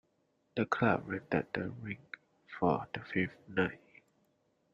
The club rented the rink for the fifth night.